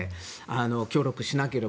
協力しなければ。